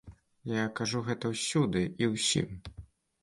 Я кажу гэта ўсюды і ўсім.